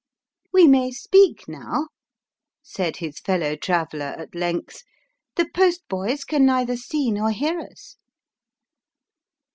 "We may speak now," said his fellow traveller, at length; "the postboys can neither see nor hear us."